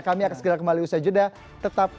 kami akan segera kembali di usai jodha